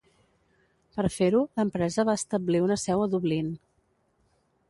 Per fer-ho, l'empresa va establir una seu a Dublín.